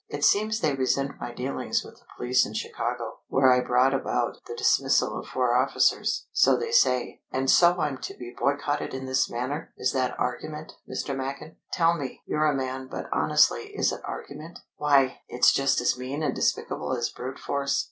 It seems they resent my dealings with the police in Chicago, where I brought about the dismissal of four officers, so they say. And so I'm to be boycotted in this manner! Is that argument, Mr. Machin? Tell me. You're a man, but honestly, is it argument? Why, it's just as mean and despicable as brute force."